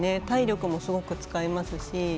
体力もすごく使いますし。